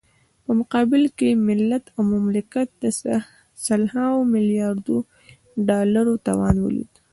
په مقابل کې يې ملت او مملکت د سلهاوو ملیاردو ډالرو تاوان وليد.